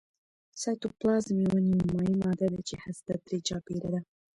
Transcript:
سایتوپلازم یوه نیمه مایع ماده ده چې هسته ترې چاپیره ده